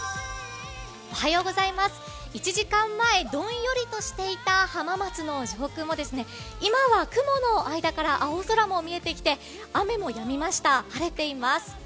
１時間前、どんよりとしていた浜松の上空も今は雲の間から青空も見えてきて、雨もやみました、晴れています。